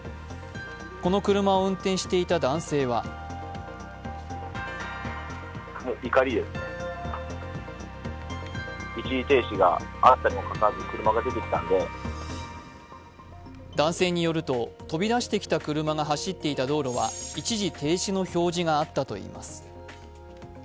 この車を運転していた男性は男性によると飛び出してきた車が走っていた道路は一時停止の表示があったといいます。